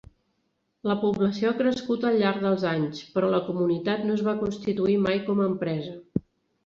La població ha crescut al llarg dels anys, però la comunitat no es va constituir mai com a empresa.